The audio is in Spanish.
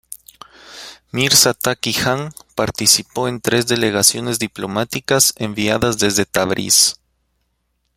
Mirza Taqi Jan participó en tres delegaciones diplomáticas enviadas desde Tabriz.